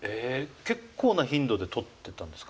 結構な頻度で取ってたんですか？